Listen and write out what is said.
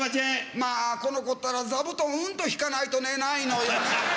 まぁこの子ったら座布団うんと敷かないと寝ないのよね。